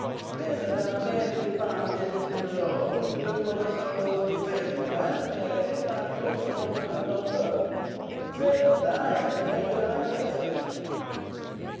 Pray that theaw may'st depart hence i' th' Lord, wi' whom are the sowls of the faithful, an Meary's, ey trust, among the number. Pray that thy eend may be like hers."